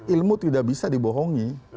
ilmu tidak bisa dibohongi